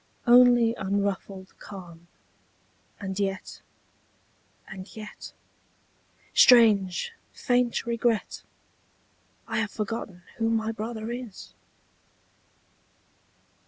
Only unruffled calm; and yet — and yet — Strange, faint regret — I have forgotten who my brother is!